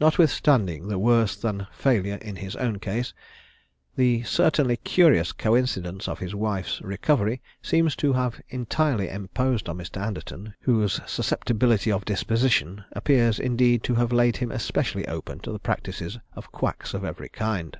Notwithstanding the worse than failure in his own case, the certainly curious coincidence of his wife's recovery seems to have entirely imposed on Mr. Anderton, whose susceptibility of disposition appears indeed to have laid him especially open to the practices of quacks of every kind.